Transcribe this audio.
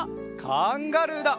カンガルーだ！